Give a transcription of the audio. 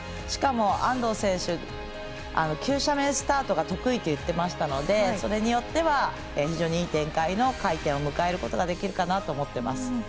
しかも安藤選手は急斜面スタートが得意と言っていましたのでそれによっては非常にいい展開の回転を迎えることができるかなと思います。